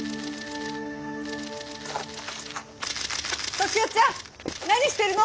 登志夫ちゃん何してるの！